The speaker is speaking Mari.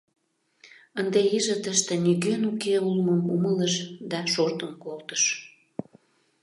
Ынде иже тыште нигӧн уке улмым умылыш да шортын колтыш.